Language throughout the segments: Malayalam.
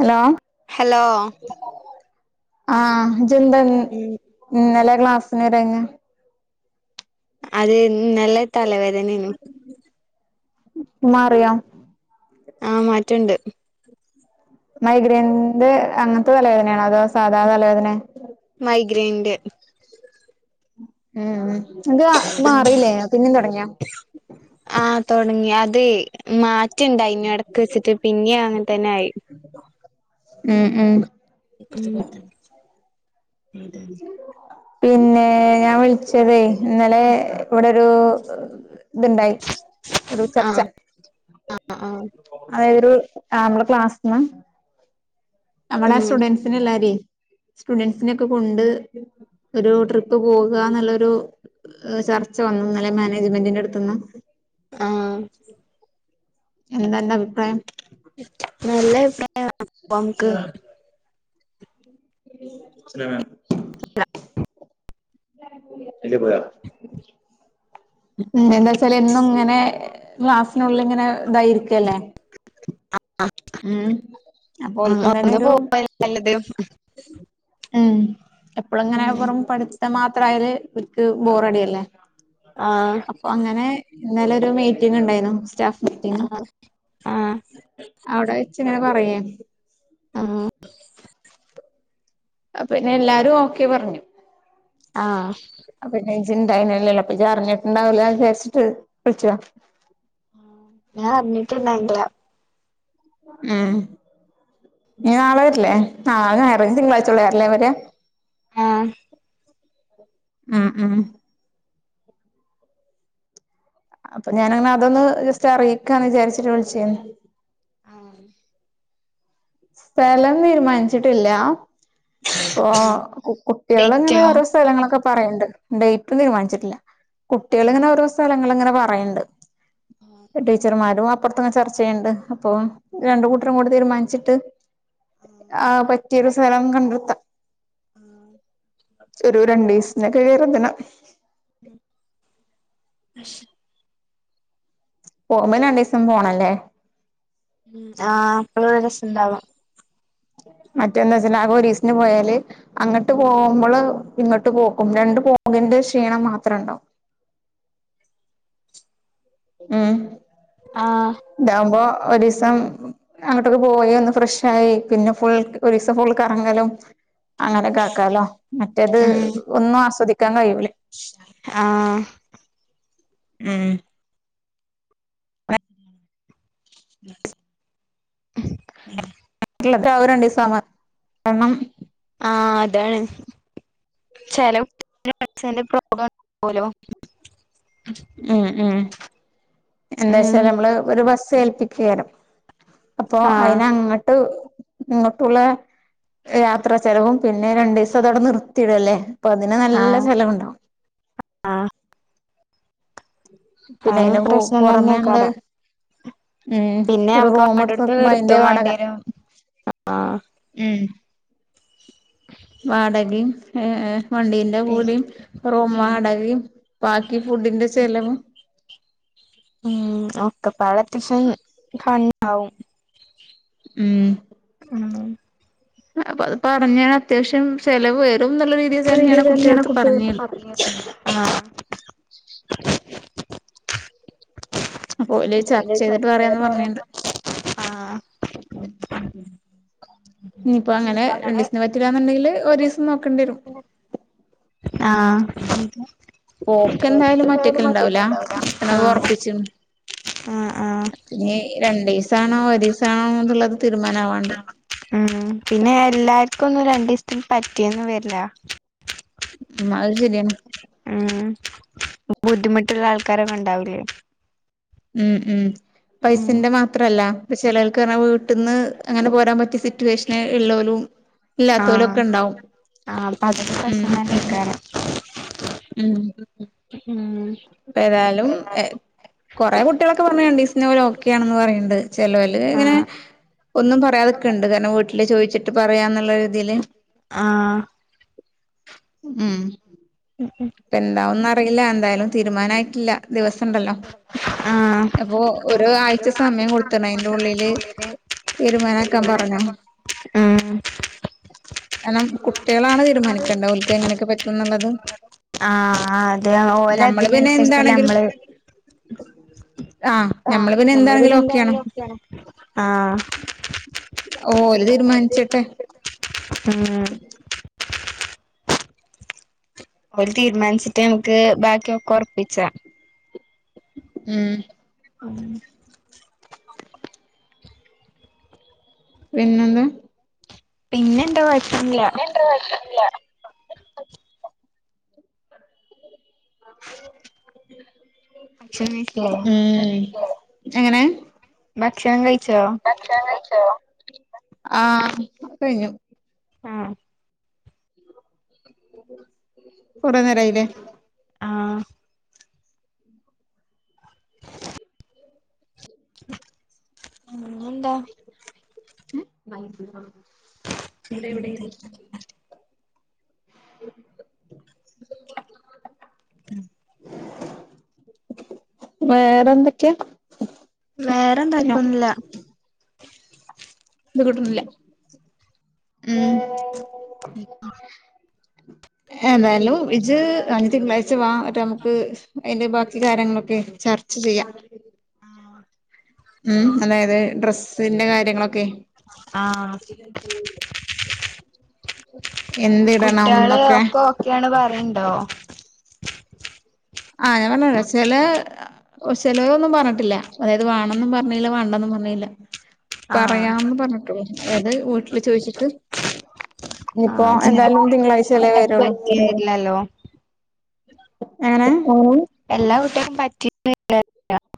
ഹലോ ഹലോ ആഹ് ഇജ്ജെന്താ ഇന്ന്- ഉം ഇന്നലെ ക്ലാസ്സിന് വരാഞ്ഞത്. അത് ഇന്നലെ തല വേദനേന്. മാറിയോ? ആ മാറ്റൊണ്ട്. മൈഗ്രന്റ് അങ്ങനത്തെ- തലവേദനയാണോ? അതോ സാധാ തലവേദന? മൈഗ്രേന്റെ. ഉം ഉം നിനക്ക് മാറിയില്ലേ? പിന്നേം തൊടങ്ങിയ. ആഹ് തൊടങ്ങി അതേ- മാറ്റൊണ്ടായിന്, എടക്ക് വെച്ചിട്ട് പിന്നേ അങ്ങനെ തന്നെ ആയി. ഉം ഉം... ഉം.. [inaudible] പിന്നേ ഞാൻ വിളിച്ചതേ ഇന്നലെ ഇവിടൊരു- ഇതുണ്ടായി ഒരു ചർച്ച. ആഹ് ആഹ്.. അയറു ആഹ്‌ നമ്മള് ക്ലാസ്ന്നാ- അവിടെ ഉം സ്റ്റുഡൻസ്- ത്തിനെല്ലാരെ സ്റ്റുഡന്റസ്സിനെ ഒക്കെ- കൊണ്ട് ഒരു ട്രിപ്പ്- പോവുകാന്നൊള്ളൊരു- ഏഹ് ചർച്ച വന്ന് ഇന്നലെ- മാനേജ്മെന്റിന്റെ അടുത്തുന്ന്. ആഹ്.. എന്താ അന്റെ അഭിപ്രായം? നല്ല അഭിപ്രായം. [inaudible] [unintelligible] ഇല്ല പോയാ? എന്താന്ന് വെച്ചാല് എന്നും ഇങ്ങനെ, ക്ലാസ്സിനുള്ളിൽ ഇങ്ങനെ, ഇതായിരിക്കല്ലേ. ഉം അപ്പോ ഒന്ന് ഓൽക്കുണ്ടേനൊരു- പോവാ നല്ലത് ഉം എപ്പോളു അങ്ങനെ ഉം വെറും ങ്ങനെ പട്‌ - ത്ത മാത്രയല് ഇവർക്ക് ബോറടില്ലേ, ആ അപ്പോ അങ്ങനെ. ഇന്നലെ ഒരു മീറ്റിംഗ് ഉണ്ടായിന്നു, സ്റ്റാഫ് മീറ്റിങ്. ആഹ... അവ്ടെ വെച്ചങ്ങനെ പറയെ. ആഹ്‌ അ പിന്നെ എല്ലാരു ഓക്കെ പറഞ്ഞു ആഹ്‌. അപ്പന്നെ ഇജിണ്ടായിനില്ലല്ലോ ഇജ് അറിഞ്ഞിട്ടുണ്ടാവില്ല വിചാരിച്ചിട്ട് വിളിച്ച. ഞാൻ അറിഞ്ഞിട്ട്ണ്ടായിനില്ല ഏ നീ നാളെ വര്ല്ലേ നാൾ ഞായറ് ഞ്ഞി തിങ്കളാഴ്ച ഉള്ള ആരല്ലേ വര ആ ഉം ഉം അപ്പൊ ഞാനങ്ങനെ അതൊന്ന് ജസ്റ്റ് അറിയിക്കാ എന്ന് വിചാരിച്ചിട്ട് വിളിചേന്ന്. ആഹ്‌. സ്ഥലം തീരുമാനിച്ചിട്ടില്ല ഓ കുകുട്ടികൾ അങ്ങനെ വെയിറ്റോ ഓരോ സ് സ്ഥലങ്ങളൊക്കെ പറയണ്ട് ഡേറ്റും തീരുമാനിച്ചിട്ടില്ല ആ കുട്ടിയേങ്ങനെ ഓരോ സ്ഥലങ്ങള് ഇങ്ങനെ പറയണ്ട് ആ ടീച്ചർമാരു അപ്പുറത്തങ്ങ് ചർച്ചയ്യിണ്ട് അപ്പം രണ്ട് കൂട്ടരു കൂടി തീരുമാനിച്ചി ട്ട് ആ പറ്റിയൊരു സ്ഥലം കണ്ടെത്ത ഒരു രണ്ടിവസ്നെക്കെ കർത്താനം. ഉം ശ്. പോവുമ്പോ രണ്ടീസം പോണല്ലേ മ് ആഹ് അപ്പഴ ഒരു രസണ്ടാവാ മറ്റന്താച്ചല് ആകെ ഒരീസിന് പോയാല് അങ്ങോട്ട് പോകുമ്പോള് ഇങ്ങോട്ട് പോക്കും രണ്ടു പോകിന്റെ ക്ഷീണം മാത്രണ്ടാവു ഉം ആഹ്‌. താവുമ്പോ ഒരീസം അങ്ങോട്ടൊക്കെ പോയി ഒന്ന് ഫ്രഷായി പിന്നെ ഫുൾ ഒരു ദിവസം ഫുൾ കർങ്ങലും അങ്ങനെക്കാക്കലോ മറ്റേത് ഒന്നു ആസ്വദിക്കാൻ കഴിയൂല. ശ് ആഹ്‌. ഉം. [unintelligible] മ് ള്ള പ്രാവ് രണ്ടിസമാ ക്ക്ണം ആഹ്‌ അതാണ് ചെല കുട്ടിന് ചേലെ പ്രോബ്ലം ഊലോ മ് മ് ഉം എന്താച്ചാ നമ്മള് ഒരു ബസ് ഏൽപ്പിക്കേരം. അപ്പൊ ആഹ് അയിന് അങ്ങട്ട് ങ്ങോട്ടുള്ള യാത്ര ചെലവും പിന്നെ രണ്ടു ദിവസം അതടെ നിർത്തിടല്ലേ പ്പ അതിന് നല്ല ആഹ് ചലവ്ണ്ടാവു ആ പിന്നെ അയിന്റെ പു പുറമെ പ്രശ്നന്നെ നമ്മള് കാരം ഉം പിന്നെ ഒരു മക്ക് റൂം എടുത്ത് വേണ്ടോട്ത് നിക്കുമ്പോ അയിന്റെ നിർത്തും വാടക വേണ്ടിയേരു ആഹ്‌ അഹ് ഉം [unintelligible] വാടകയും ഏ എ വണ്ടീന്റെ പി കൂടിയു റൂം ഉം വാടകയു ബാക്കി ഫുഡിന്റെ ചെലവും ഉം ഒക്കെ പടെ തിഷം കാ വും ഉം ഉം. അപ്പൊ അത് പറഞ്ഞാ അത്യാവിശ്യം ചെലവ് വരും ന്നുള്ള രീ ഈ ഒരു തന്നെയാണ് കുട്ടികൾക്കു പറഞ്ഞെക്കുന്ന [inaudible] ആ [unintelligible] അപ്പൊ ഓല് പോലെ ചർച്ച ചെയ്തിട്ട് പറയാന്ന് പറഞ്ഞിണ്ട് [unintelligible] ആഹ്‌ ഞ്പ്പങ്ങനെ രണ്ടിസ്ന് പറ്റുലാന്നുണ്ടെങ്കില് ഒരിസം നോക്കണ്ട്യരും. ആഹ് [unintelligible] പോക്ക് നോക്കീട്ട് എന്തായാലും ഒറ്റക്കല് ഉണ്ടാവൂല ണ്ടാവുല ഇക്കണത് ആഹ്. ഒറപ്പിച്ച്ണ് ആഹ് ആഹ്. ഈ രണ്ടീസാണോ ഒരീസാണോ ന്നുള്ളത് തീരുമാനമാവാണ്ട്. ഉം പിന്നെ എല്ലാര്ക്കൊന്നു രണ്ടിസ്ത്തിന് പറ്റിയന്ന് വര്ല്ല. ഉം അഹ് ശര്യാണ്. ഉം ബുദ്ധിമുട്ടുള്ള ആൾക്കാരൊന്നു ഉണ്ടാവുലേ. ഉം ഉം ഉം പൈസന്റെ മാത്രല്ല. പ്പ ചെലോൽക്ക് അർന വീട്ട്ന്ന് അങ്ങനെ പോരാൻ പറ്റ്യ സിറ്റുവേഷന് ഇള്ളോലും. ആഹ് ഇല്ലാത്തോലൊക്കെ ഇണ്ടാവും ആഹ് പ്പതൊക്കെ ഉം ശനന്നെയ്ക്കാരം. ഉം. ഉം. പേത്യാലും എ. കൊറെ കുട്ട്യളൊക്കെ പർഞ് രണ്ടിസ്ന് ഓലൊക്കെയാണന്ന് പറയണ്ട് ചെലല് ങ്ങനെ. ആഹ് ഒന്നും പറയാതിക്കണ്ട് കാര്ണം വീട്ടില് ചോയിച്ചിട്ട് പറയാന്നുള്ള രീതിയില്. ആഹ് ഉം ഉം പെന്താവുന്നറിയില്ല എന്തായ്ലും. തീരുമാനായിട്ടില്ല ദിവസണ്ടല്ലോ ഉം ആഹ് അപ്പൊ. ഒരു ആഴ്ച സമയം കൊടുത്ത്ണ് അയ്ൻ്റുള്ളില്. തീരുമാനക്കാ പറഞ്ഞോ. ഉം കാരണം കുട്ട്യളാണ് തീരുമാനിക്കേണ്ടത് ഓൽക്ക് എങ്ങനെക്കെ പറ്റുംന്ന്ള്ളത്. ആഹ് അതെ ഓല ഞമ്മള് പിന്നെ തിനൻസര്ച്ചല്ല എന്താണെങ്കിലും മ്മള്. ആഹ് ഞമ്മള് പിന്നെ എന്താണെകിലും ഓക്കേ ആണ് ആഹ്. ഓല് തീരുമാൻച്ചട്ടെ. ഉം. ഓൽ തീരുമാൻച്ചിട്ട് മക്ക് ബാക്കി ഒക്കൊർപ്പിച്ച. ഉം. അങ്ങനെ. പിന്നെന്താ. പിന്നെ ണ്ട്വാ. പിന്നെണ്ടുവാ [unintelligible] ല്ല. [inaudible] ക്ഷ [unintelligible] തോ. ഉം. എങ്ങനെ. ഭക്ഷണം കയ്ച്ചോ. ക്ഷണം കയ്ച്ചോ ആഹ് കയ്ഞ്ഞു. ആഹ്. കൊറേ നേരായിലേ. ആഹ്. ഉം ന്നെന്താ. എ മൈസൂരോ. എന്ത്. [inaudible] ഉം. വേറെന്തൊക്ക്യ. വേറെന്ത ഇപ്പൊന്നുല്ല. ത് കിട്ട്ണില്ല. [inaudible] [inaudible] എതായാലും ഇജ്ജ് അദ്യ തിങ്ങളാഴ്ച വാ എന്നിട്ട് നമുക്ക് അതിന്റെ ബാക്കി കാര്യങ്ങളൊക്കെ ചർച് ച്ച ചെയ്യാം. ഉം അതായത് ഡ്രസ് ന്റെ കാര്യങ്ങളൊക്കെ. ആഹ് കുട്ട്യാള് എന്തിടണംന്നൊക്കെ [unintelligible] ആഹ് പറഞ്ഞരാ ചെലെ ഒ ചേലോരൊന്നും പറഞ്ഞിട്ടില്ല ഏത് വാണം പറഞ്ഞില്ല വാണ്ടാന്നും പറഞ്ഞില്ല. ആഹ് പറയാം ന്ന് പറഞ്ഞിട്ടൊള്ളൂ. അതായത് വീട്ടില് ചോദിച്ചിട്ട്. ഇനിപ്പോ ആഹ് ചെലപ്പോ എതായാലും തിങ്കളാഴ്ച എല്ലാ അല്ലേ കുട്ട്യാക്കും വരുള്ളൂ. പറ്റില്ലല്ലോ എങ്ങനെ മ് എല്ലാ കുട്ടി [inaudible]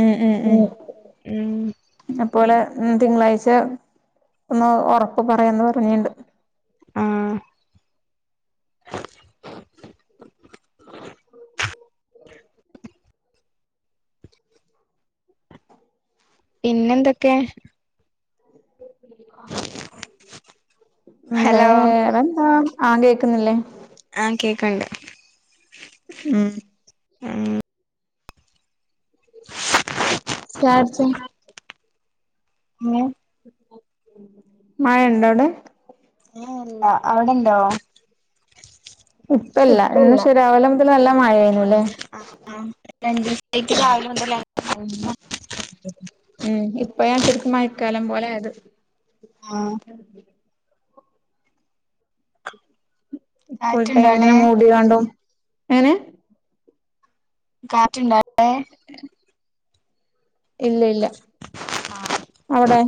ഉം ഉം ഉം ന്നെ പോലെ തിങ്കളാഴ്ച ഒന്ന് ഉറപ്പ് പറയാന്ന് പറഞ്ഞിണ്ട്. മ് പിന്നെന്തൊക്കെ. ഹലോ വേറെന്താ. ആ കേക്കുന്നില്ലേ. ആ കേക്ക്ണ്ട് ഉം [unintelligible] ചായ കുടിച്ചോ. ഏ മഴണ്ടോ അവിടെ ഏഹ് ഇല്ല അവിടെണ്ടോ. ഇപ്പല്ല. ഇന്ന് പക്ഷെ രാവിലെ മുതൽ നല്ല മഴ ആയിരുന്നുല്ലേ. ആ രണ്ട ദിവസത്തേക്ക് [inaudible] ഉം ഇപ്പോഴാ ശരിക്കും മഴക്കാലം പോലെ ആയത്. ആഹ ഫുൾ കാറ്റുണ്ടോ ടൈം അവിടെ ഇങ്ങനെ മൂടിയാണ്ടും. എങ്ങനെ കാറ്റ്ണ്ടോ അവിടെ. [unintelligible] ഇല്ല ഇല്ല അവിടെ.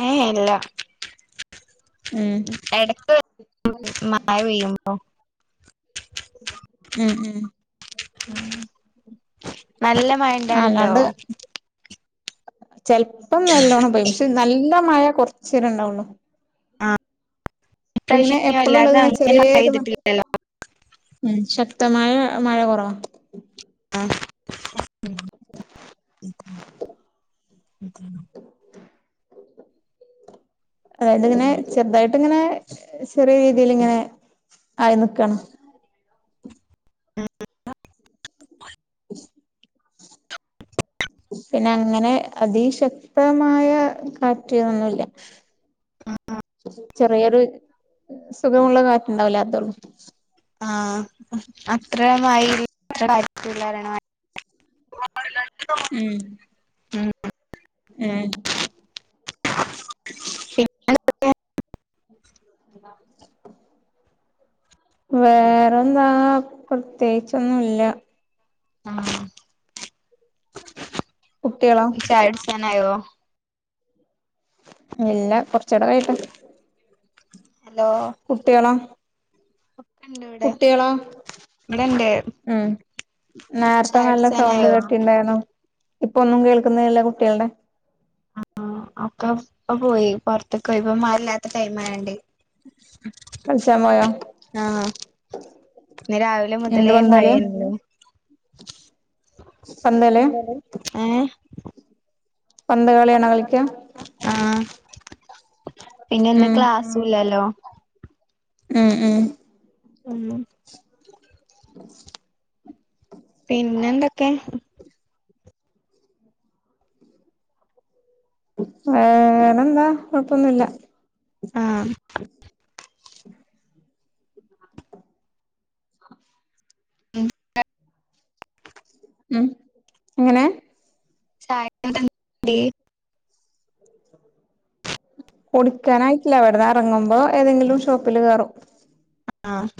ഏ ഏ ഇല്ല. ഉം എടക്ക് മഴ [inaudible] ഉം ഉം നല്ല മയണ്ടാവല്ഉണ്ടോ അല്ലാണ്ട് ചെലപ്പോ നല്ലോണം പെയ്യും. പക്ഷെ നല്ല മഴ കൊറച്ചേരം ഇണ്ടാവൊള്ളു. ആഹ് ഇങ്ങനെ ഇപ്രാവശ്യം എപ്പോഴുള്ള വല്ലാതെ ഇങ്ങനെ അങ്ങനെ മഴ ചെറിയേ ഒരു മ പെയ്തിട്ടില്ലല്ലോ ഉം ശക്തമായ മഴ കുറവാ. ആ അതായത് ഇങ്ങനെ ചെറുതായിട്ട് ഇങ്ങനെ ചെറിയ രീതിൽ ഇങ്ങനെ ആയി നിക്കാണ്. [inaudible] പിന്നെ അങ്ങനെ അതി ശക്തമായ കാറ്റ് ഒന്നുല്ല. ചെറിയൊരു സുഖമുള്ള കാറ്റുണ്ടാവില്ലെ അതൊള്ളൂ. ആ അത്രമാ [inaudible] ഉം ഉം [inaudible] [inaudible] വേറെന്താ പ്രത്യേകിച്ചൊന്നുല്ല്യ. ആം കുട്ടികളോ യ്യ് ചായൊട്ച്ചാനായോ? ഇല്ല കൊറച്ചൂടെ കയ്യട്ടെ. ഹലോ കുട്ടികളോ ഒക്കെണ്ട് ഇവിടെ കുട്ടികളാ ഇവിടെണ്ട് ഉം നേരത്തെ ചായ നല്ല സൗണ്ട് കുടിച്ചാനായോ കേട്ടിണ്ടായിനു ഇപ്പൊന്നും കേൾക്കുന്നില്ല കുട്ടികളുടെ ആഹ് ഒക്കെ ഇപ്പൊ പോയി പൊർത്തക്കൊയി പ്പൊ മഴ ഇല്ലാത്ത ടൈം ആയൊണ്ട്. കളിച്ചാമ്പൊയോ? ആഹ് ഇന്ന് രാവിലെ മുതലേ മഴയാണ് സോന്തല്ലേ ഏഹ് പന്ത് കളിയാണോ കളിക്കാ ആ പിന്നെന്ത് ഉം ക്ലാ സ്സിലല്ലോ. ഉം ഉം ഉം [inaudible] പിന്നെന്തൊക്കെ? ഏനെന്താ കൊഴപ്പൊന്നുല്ല അഹ് [inaudible] ഉം ഉം എങ്ങനെ? ചായ [unintelligible] കുടിക്കാനായിട്ടില്ല. അവിടുന്ന് ഇറങ്ങുമ്പോ ഏതെങ്കിലും ഷോപ്പില് കേറും ആഹ്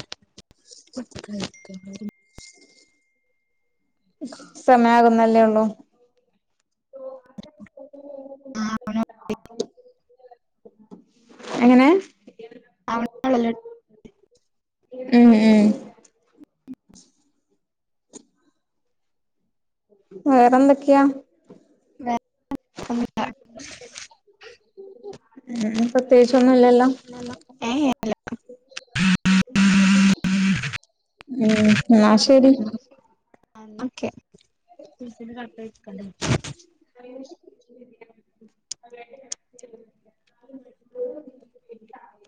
നല്ലേ ഉള്ളു എങ്ങനെ? [inaudible] ഉം ഉം വേറെന്തൊക്കെയാ? വേറെ ഒന്നുല്ല. ഉം, പ്രത്യേകിച്ചൊന്നും ഇല്ലല്ലോ? ഏഹ് ഉം ന്നാ ഓക്കെ. [inaudible] [inaudible]